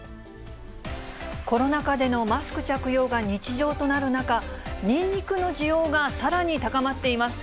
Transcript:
コロナ禍でのマスク着用が日常となる中、ニンニクの需要がさらに高まっています。